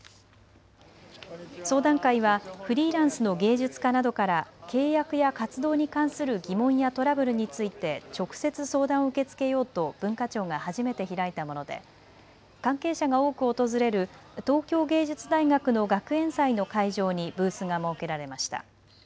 相談会はフリーランスの芸術家などから契約や活動に関する疑問やトラブルについて直接、相談を受け付けようと文化庁が初めて開いたもので関係者が多く訪れる東京藝術大学の学園祭の会場にブースが設けられました。